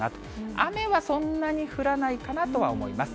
雨はそんなに降らないかなとは思います。